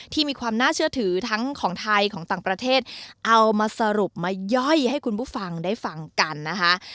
ที่มีความน่าเชื่อถือทั้งของไทยของต่างประเทศเอามาสรุปมาย่อยให้คุณผู้ฟังได้ฟังกันนะคะ